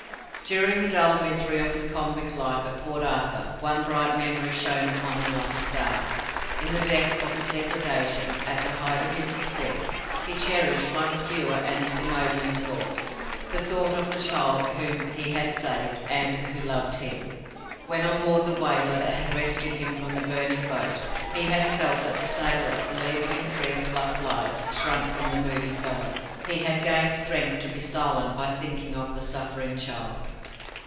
During the dull misery of his convict life at Port Arthur one bright memory shone upon him like a star. In the depth of his degradation, at the height of his despair, he cherished one pure and ennobling thought the thought of the child whom he had saved, and who loved him. When, on board the whaler that had rescued him from the burning boat, he had felt that the sailors, believing in Frere's bluff lies, shrunk from the moody felon, he had gained strength to be silent by thinking of the suffering child.